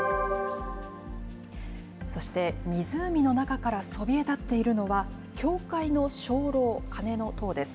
そして湖の中からそびえ立っているのは、教会の鐘楼、鐘の塔です。